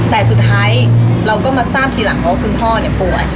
แต่สุดท้ายเราก็มาทราบทีหลังว่าคุณพ่อป่วย